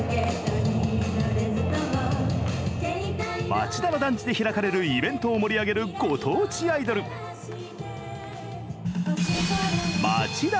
町田の団地で開かれるイベントを盛り上げるご当地アイドルまちだ